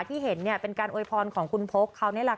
ที่เห็นเป็นการโวยพรของคุณพกเขานี่แหละค่ะ